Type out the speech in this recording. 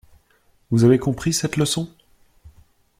Vous avez compris cette leçon ?